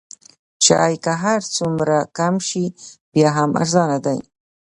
چای که هر څومره کم شي بیا هم ارزانه دی.